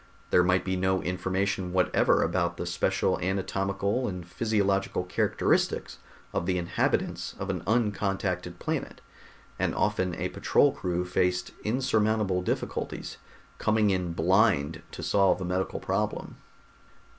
There might be no information whatever about the special anatomical and physiological characteristics of the inhabitants of an uncontacted planet, and often a patrol crew faced insurmountable difficulties, coming in blind to solve a medical problem.